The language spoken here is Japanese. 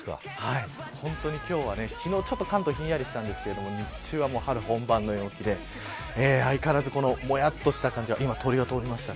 本当に今日は昨日ちょっと関東、ひんやりしたんですけど日中は春本番の陽気で相変わらずもやっとした感じが。